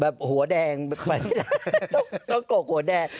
แบบหัวแดงต้องโกกหัวแดง